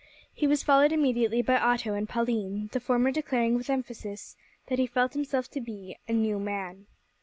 He was followed immediately by Otto and Pauline, the former declaring with emphasis that he felt himself to be a "new man."